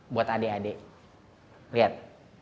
buat adik adik lihat